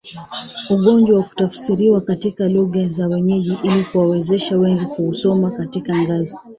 ugonjwa na kutafsiriwa katika lugha za wenyeji ili kuwawezesha wengi kuusoma katika ngazi